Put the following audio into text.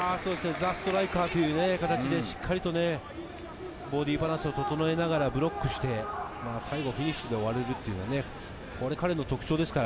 ザ・ストライカーという形でしっかりとね、ボディーバランスを整えながらブロックして、最後フィニッシュで終われる、これが彼の特徴です。